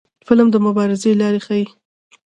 فلم د مبارزې لارې ښيي